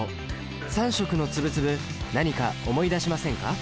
３色の粒々何か思い出しませんか？